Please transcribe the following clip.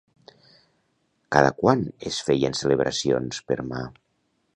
Cada quant es feien celebracions per Ma?